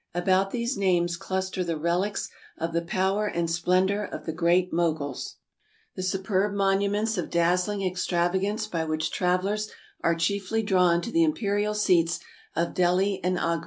About these names cluster the relics of the power and splendor of the Great Moguls, the superb monuments of dazzling ex travagance by which travelers are chiefly drawn to the im perial seats of Delhi and Agra.